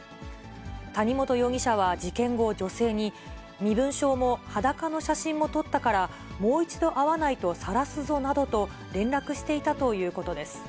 谷本容疑者は事件後、女性に、身分証も裸の写真も撮ったから、もう一度会わないとさらすぞなどと、連絡していたということです。